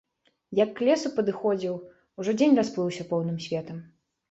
Як к лесу падыходзіў, ужо дзень расплыўся поўным светам.